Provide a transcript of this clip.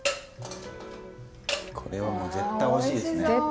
これはもう絶対おいしいですね。